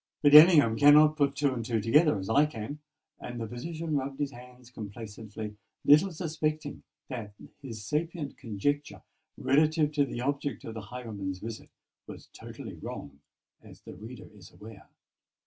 But Ellingham cannot put two and two together as I can:"—and the physician rubbed his hands complacently, little suspecting that his sapient conjecture relative to the object of the highwayman's visit was totally wrong, as the reader is aware.